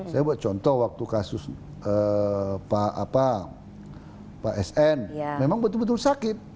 saya buat contoh waktu kasus pak sn memang betul betul sakit